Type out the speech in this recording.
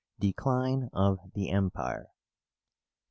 DECLINE OF THE EMPIRE.